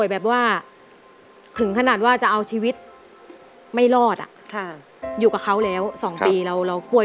แบบว่าถึงขนาดว่าจะเอาชีวิตไม่รอดอ่ะค่ะอยู่กับเขาแล้ว๒ปีเราเราป่วย